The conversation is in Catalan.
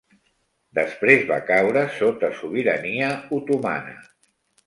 Després va caure sota sobirania otomana.